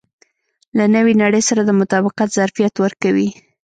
له نوې نړۍ سره د مطابقت ظرفیت ورکوي.